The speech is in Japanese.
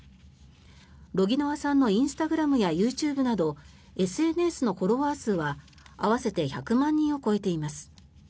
ロギノワさんのインスタグラムやＹｏｕＴｕｂｅなどＳＮＳのフォロワー数は合わせて１００万人を超えています。